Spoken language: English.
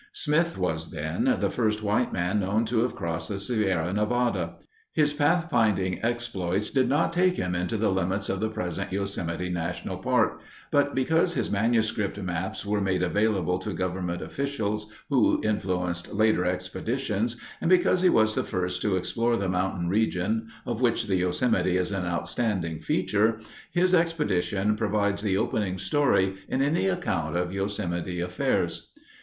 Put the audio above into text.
Smith was, then, the first white man known to have crossed the Sierra Nevada. His pathfinding exploits did not take him into the limits of the present Yosemite National Park, but because his manuscript maps were made available to government officials who influenced later expeditions and because he was the first to explore the mountain region of which the Yosemite is an outstanding feature, his expedition provides the opening story in any account of Yosemite affairs.